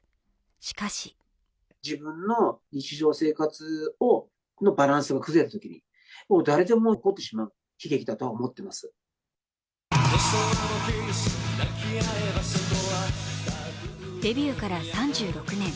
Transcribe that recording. しかしデビューから３６年。